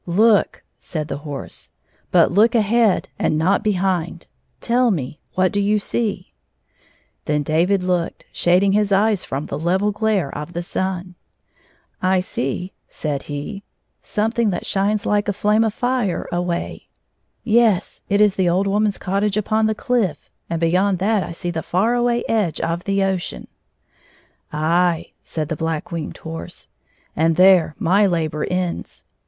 " Look !" said the horse. " But look ahead and not behind. Tell me, what do you see 1 " Then David looked, shading his eyes from the level glare of the sun. " I see," said he, "some ^55 aimg that shines like a flame of fire away yes, it is the old woman's cottage npon the cliff, and beyond that I see the far away edge of the ocean." "Aye," said the Black Winged Horse, "and there my labor ends.